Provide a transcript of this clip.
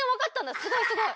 すごいすごい。